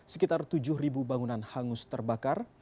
sekitar tujuh bangunan hangus terbakar